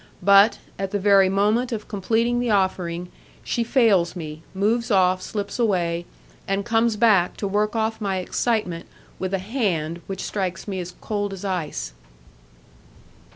but, at the very moment of completing the offering, she fails me, moves off, slips away, and comes back to work off my excitement with a hand which strikes me as cold as ice.